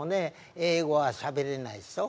英語はしゃべれないでしょ？